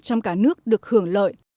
trong cả nước được hưởng lợi